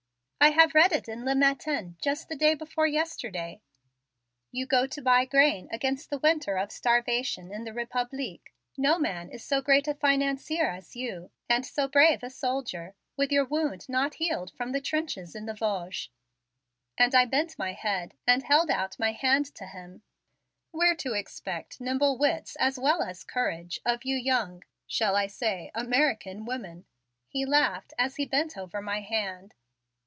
"I have read it in Le Matin just the day before yesterday. You go to buy grain against the winter of starvation in the Republique. No man is so great a financier as you and so brave a soldier, with your wound not healed from the trenches in the Vosges. Monsieur, I salute you!" and I bent my head and held out my hand to him. "We're to expect nimble wits as well as courage of you young shall I say American women?" he laughed as he bent over my hand.